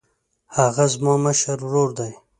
هغه زما مشر ورور دی.